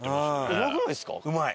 うまくないですか？